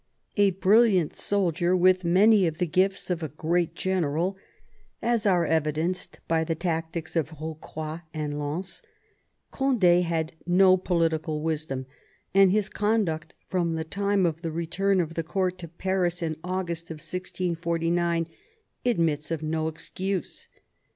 A brilliant soldier, with many of the gifts of a great general, as ^re evidenced by the tactics of Eocroi and Lens, Cond6 had no political wisdom, and his conduct from the time of the return of the court to Paris in August 1649 admits of no excuse.